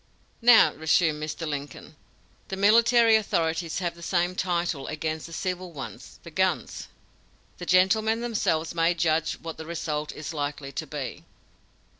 "Now," resumed Mr. Lincoln, "the military authorities have the same title against the civil ones the guns! The gentlemen themselves may judge what the result is likely to be!"